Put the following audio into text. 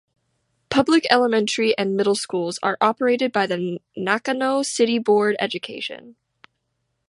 Public elementary and middle schools are operated by the Nakano City Board of Education.